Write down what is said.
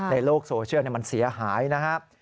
ในโลกโซเชียลมันเสียหายนะครับ